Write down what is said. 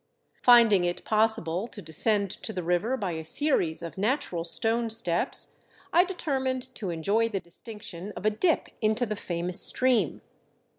Finding it possible to descend to the river by a series of natural stone steps, I determined to enjoy the distinction of a dip into the famous stream.